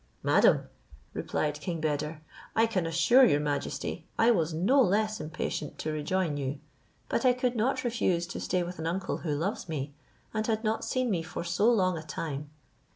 "Madam," replied king Beder, "I can assure your majesty, I was no less impatient to rejoin you; but I could not refuse to stay with an uncle who loves me, and had not seen me for so long a time.